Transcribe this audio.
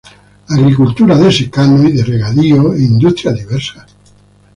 Agricultura de secano y de regadío e industrias diversas.